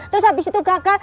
terus habis itu gagal